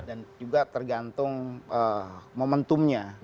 dan juga tergantung momentumnya